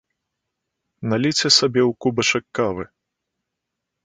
Наліце сабе ў кубачак кавы